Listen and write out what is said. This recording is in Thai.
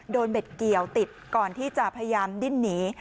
เบ็ดเกี่ยวติดก่อนที่จะพยายามดิ้นหนี